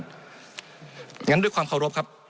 อย่างนั้นด้วยความเคารพครับ